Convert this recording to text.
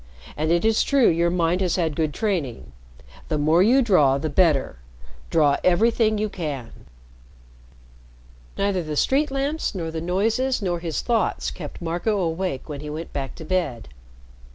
And it is true your mind has had good training. The more you draw, the better. Draw everything you can." Neither the street lamps, nor the noises, nor his thoughts kept Marco awake when he went back to bed.